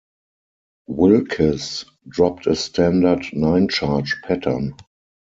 "Wilkes" dropped a standard nine-charge pattern.